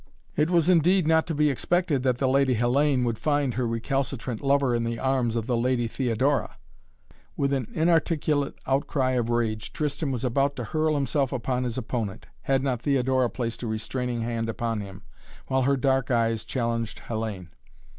"It was indeed not to be expected that the Lady Hellayne would find her recalcitrant lover in the arms of the Lady Theodora." With an inarticulate outcry of rage Tristan was about to hurl himself upon his opponent, had not Theodora placed a restraining hand upon him, while her dark eyes challenged Hellayne.